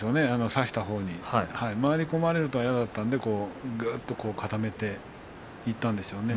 差したほうに回り込まれると嫌だったので固めていったんでしょうね。